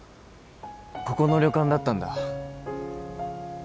ここの旅館だったんだ？